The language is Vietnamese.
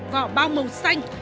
vỏ bao màu xanh